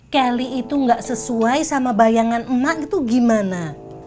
kelly itu gak sesuai sama bayangan emak itu gimana